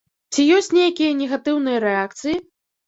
Ці ёсць нейкія негатыўныя рэакцыі?